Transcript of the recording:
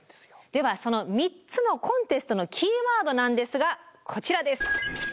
ではその３つのコンテストのキーワードなんですがこちらです。